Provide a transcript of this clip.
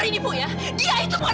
kamu mau bawa kemana ibu abdul